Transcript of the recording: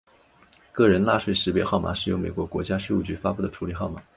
个人纳税识别号码是由美国国家税务局发布的处理号码。